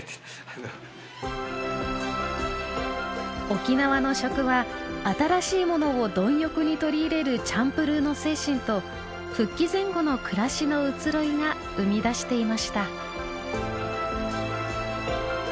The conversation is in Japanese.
沖縄の食は新しいものを貪欲に取り入れる「チャンプルー」の精神と復帰前後の暮らしの移ろいが生み出していました。